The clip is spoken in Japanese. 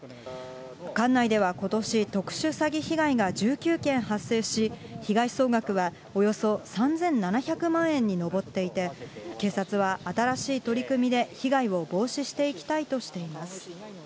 管内ではことし、特殊詐欺被害が１９件発生し、被害総額はおよそ３７００万円に上っていて、警察は新しい取り組みで被害を防止していきたいとしています。